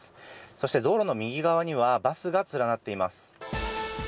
そして道路の右側にはバスが連なっています。